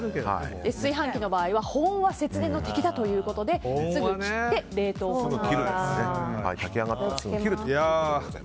炊飯器の場合は保温は節電の敵だということですぐ切って、冷凍がいいと。